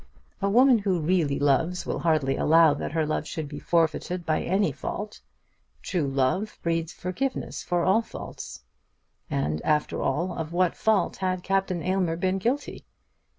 A woman who really loves will hardly allow that her love should be forfeited by any fault. True love breeds forgiveness for all faults. And, after all, of what fault had Captain Aylmer been guilty?